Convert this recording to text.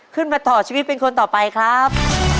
ขึ้นมาต่อชีวิตเป็นคนต่อไปครับ